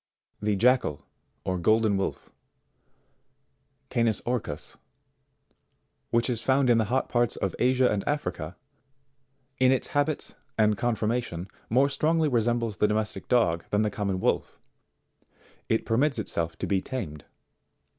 59. The Jackal, or Golden Wolf, Canis Marcus, which is found in the hot parts of Asia and Africa, in its habits and con formation, more strongly resembles the domestic dog than the common wolf It permits itself to be tamed.